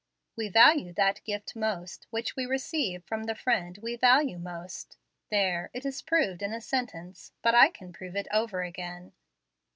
"We value that gift most which we receive from the friend we value most. There; it is proved in a sentence; but I can prove it over again."